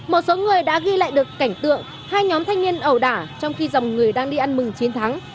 một số người đã ghi lại được cảnh tượng hai nhóm thanh niên ẩu đả trong khi dòng người đang đi ăn mừng chiến thắng